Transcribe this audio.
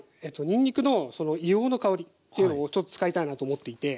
にんにくの硫黄の香りというのをちょっと使いたいなと思っていて。